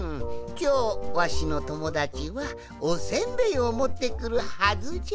きょうわしのともだちはおせんべいをもってくるはずじゃ。